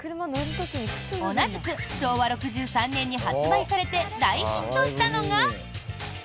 同じく昭和６３年に発売されて大ヒットしたのが。